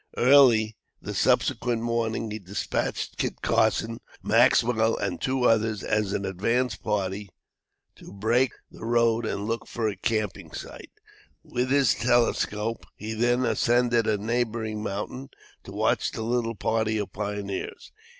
Early the subsequent morning he dispatched Kit Carson, Maxwell and two others as an advance party to break the road and look for a camping site. With his telescope, he then ascended a neighboring mountain to watch the little party of pioneers.